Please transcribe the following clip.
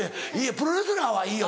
プロレスラーはいいよ。